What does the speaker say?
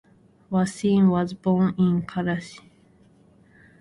Waseem was born in Karachi.